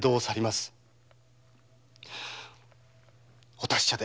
お達者で。